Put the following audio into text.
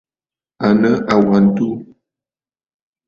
À nɨ àwa ǹtu.